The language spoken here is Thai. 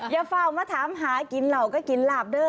อย่าเฝ้ามาถามหากินเหล่าก็กินหลาบเด้อ